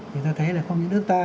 thì ta thấy là không những nước ta